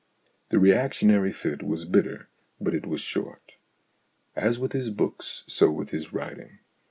The reactionary fit was bitter, but it was short. As with his books so with his writ ing.